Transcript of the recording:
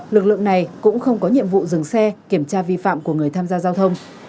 lực lượng này cũng không có nhiệm vụ dừng xe kiểm tra vi phạm của người tham gia giao thông